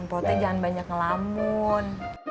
empotnya jangan banyak ngelamun